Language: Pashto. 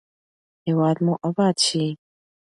هیواد مو اباد شي.